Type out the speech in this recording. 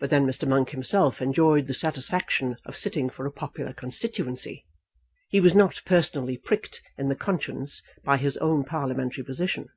But then Mr. Monk himself enjoyed the satisfaction of sitting for a popular Constituency. He was not personally pricked in the conscience by his own parliamentary position.